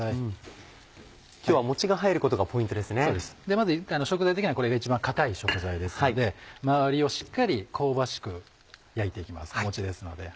まず食材的にはこれが一番硬い食材ですので周りをしっかり香ばしく焼いていきますもちですので。